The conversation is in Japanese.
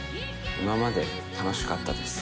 今まで楽しかったです。